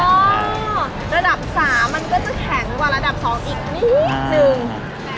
ระดับ๓มันก็จะแข็งกว่าระดับ๒อีกนิดนึง